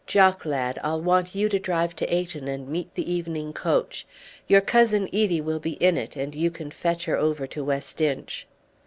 Jock lad, I'll want you to drive to Ayton and meet the evening coach. Your Cousin Edie will be in it, and you can fetch her over to West Inch."